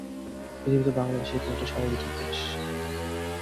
পৃথিবীতে বাংলাদেশই একমাত্র ষড়ঋতুর দেশ।